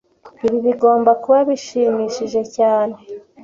Ibi bigomba kuba bishimishije cyane